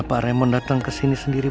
pak remon datang kesini sendiri